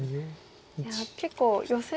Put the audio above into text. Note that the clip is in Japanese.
いや結構ヨセ。